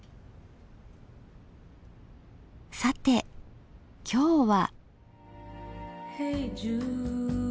さて今日は？